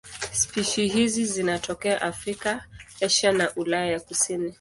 Spishi hizi zinatokea Afrika, Asia na Ulaya ya kusini.